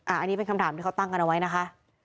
อันนี้เป็นคำถามที่เขาตั้งกันเอาไว้นะคะ